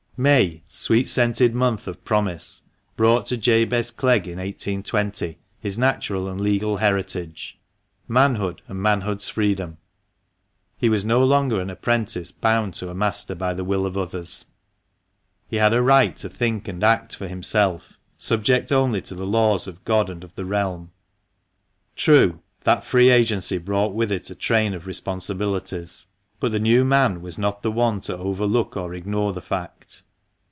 May, sweet scented month of promise, brought to Jabez Clcgg in 1820 his natural and legal heritage — manhood and manhood's freedom. He was no longer an apprentice bound to a master by the will of others. He had a right to think and act for himself, subject only to the laws of God and of the realm. True, that free agency brought with it a train of responsibilities, but the new man was not the one to overlook or ignore the fact.